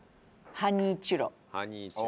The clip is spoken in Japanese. ハニーチュロ。